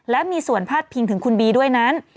และมีส่วนพาดพิงถึงคุณบีด้วยนั้น